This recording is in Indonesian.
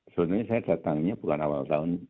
sebenarnya saya datangnya bukan awal tahun